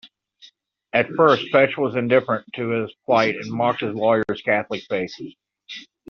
At first Fesch was indifferent to his plight and mocked his lawyer's Catholic faith.